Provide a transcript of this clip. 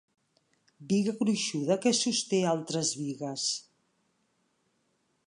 Biga gruixuda que sosté altres bigues.